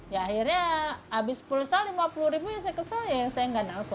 ya akhirnya abis pulsa lima puluh ribu ya saya kesal ya saya nggak nanggul